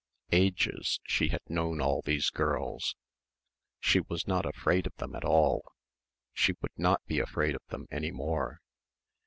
"Ages" she had known all these girls. She was not afraid of them at all. She would not be afraid of them any more.